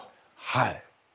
はい。